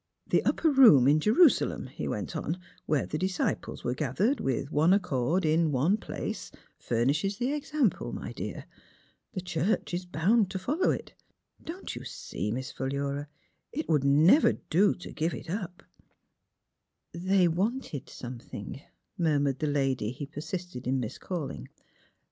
" The upper room in Jerusalem," he went on, " where the disciples were gathered, with one ac cord, in one place, furnishes the example, my dear. The church is bound to follow it. Don't you see, Miss Philura, it would never do to give it up I " 36 THE HEART OF PHH^URA *' They wanted something, '' murmured the lady he persisted in miscalling.